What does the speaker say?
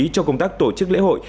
cho công tác tổ chức lễ hội